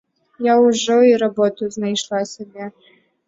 Я ўжо і работу знайшла сабе.